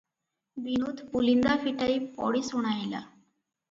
ବିନୋଦ ପୁଳିନ୍ଦା ଫିଟାଇ ପଡ଼ି ଶୁଣାଇଲା:-